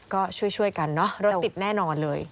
ก็ช่วยกันเนอะรถติดแน่นอนเลย